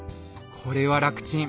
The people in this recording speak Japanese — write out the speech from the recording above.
これは楽ちん。